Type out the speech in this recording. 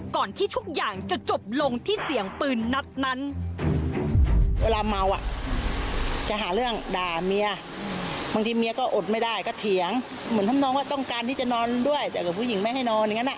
ที่ทุกอย่างจะจบลงที่เสียงปืนนัดนั้น